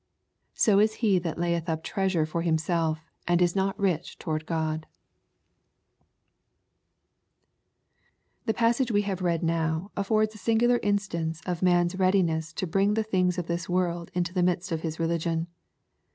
21 So is he that layeth up treasure for himself, and is not rich toward 6od« The passage we have read now affords a singular instance of man's readiness to bring the things of this world into the midst of his religion.